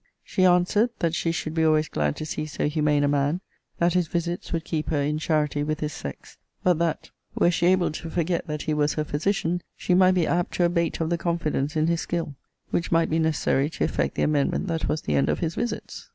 She answered, That she should be always glad to see so humane a man: that his visits would keep her in charity with his sex: but that, where she able to forget that he was her physician, she might be apt to abate of the confidence in his skill, which might be necessary to effect the amendment that was the end of his visits.